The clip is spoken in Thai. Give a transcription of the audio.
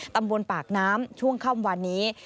ตำบลปากน้ำช่วงค่ำวันนี้